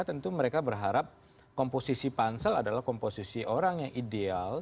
tentu mereka berharap komposisi pansel adalah komposisi orang yang ideal